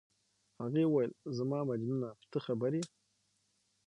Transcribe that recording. هغې وویل: زما مجنونه، ته خبر یې؟